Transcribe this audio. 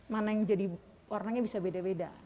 mana yang jadi warnanya bisa beda beda